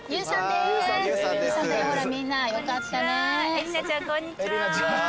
エリナちゃんこんにちは。